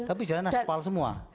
tapi jalan asfal semua